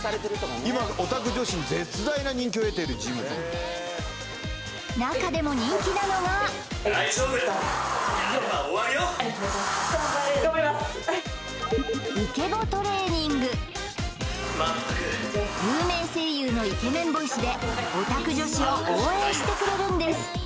今オタク女子に絶大な人気を得ているジムでございます有名声優のイケメンボイスでオタク女子を応援してくれるんです